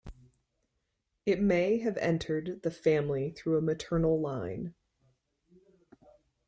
It may have entered the family through a maternal line.